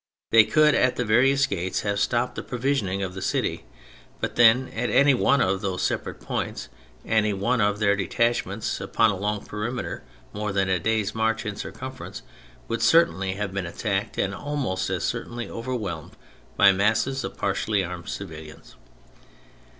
They could at the various gates have stopped the provisioning of the city, but then at any one of those separate points, any one of their detachments upon a long perimeter more than a day's march in circumference would certainly have been attacked and almost as certainly over whelmed by masses of partially armed civilians.